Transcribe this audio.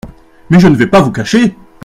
Mais je ne vais pas vous cacher !